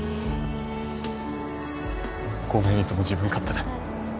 ごめんいつも自分勝手で。